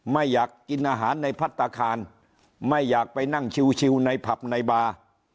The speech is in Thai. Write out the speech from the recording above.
ไม่อยากกินอาหารในพัฒนาคารไม่อยากไปนั่งชิวในผับในบาร์